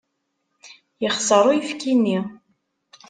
Yexṣer uyefki-nni.